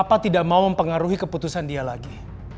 kenapa tidak mau mempengaruhi keputusan dia lagi